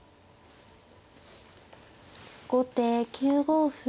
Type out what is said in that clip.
後手９五歩。